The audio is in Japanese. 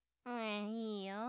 いいよ。